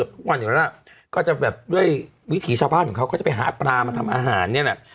บ้านเข้าจำกับว่าวันเหมือนก็จะแบบด้วยวิถีชาวบ้านเขาก็จะไปหาปลามาทำอาหารเนี่ยหรอ